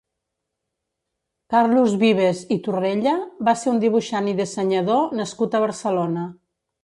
Carlos Vives i Torrella va ser un dibuixant i dissenyador nascut a Barcelona.